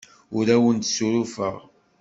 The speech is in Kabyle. Ur awent-ssurufeɣ.